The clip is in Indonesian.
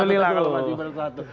alhamdulillah masih bersatu